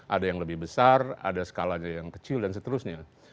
ada yang lebih besar ada skalanya yang kecil dan seterusnya